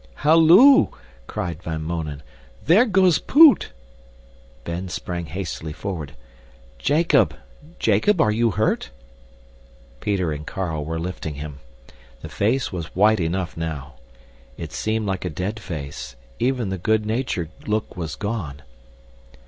"Halloo!" cried Van Mounen. "There goes Poot!" Ben sprang hastily forward. "Jacob! Jacob, are you hurt?" Peter and Carl were lifting him. The face was white enough now. It seemed like a dead face even the good natured look was gone.